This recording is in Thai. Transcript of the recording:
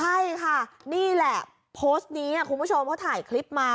ใช่ค่ะนี่แหละโพสต์นี้คุณผู้ชมเขาถ่ายคลิปมา